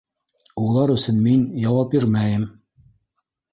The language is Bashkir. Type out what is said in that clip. Улар өсөн мин... яуап бирмәйем!